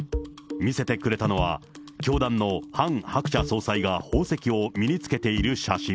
見せてくれたのは、教団のハン・ハクチャ総裁が宝石を身につけている写真。